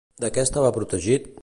De què estava protegit?